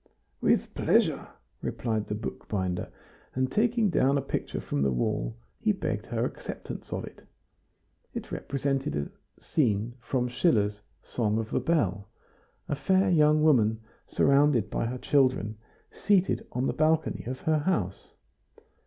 "With pleasure," replied the bookbinder, and taking down a picture from the wall, he begged her acceptance of it. It represented a scene from Schiller's "Song of the Bell," a fair young woman, surrounded by her children, seated on the balcony of her house.